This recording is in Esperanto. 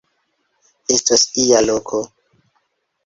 Estos ia loko.